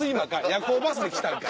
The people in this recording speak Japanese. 夜行バスで来たんか？